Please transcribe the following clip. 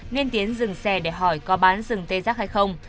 nên tiến dừng xe để hỏi có bán rừng tê giác hay không